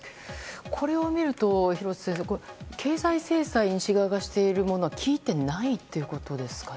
これを見ると、廣瀬先生西側諸国がしている経済制裁は効いてないということですかね。